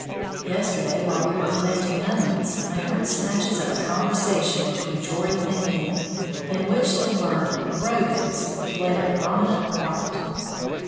Yesterday while we were planting onions, I heard snatches of a conversation between Geordie and Hen, in which the word "brogans" played a prominent part.